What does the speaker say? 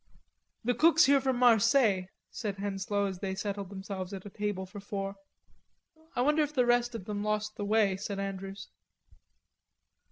"The cook here's from Marseilles," said Henslowe, as they settled themselves at a table for four. "I wonder if the rest of them lost the way," said Andrews.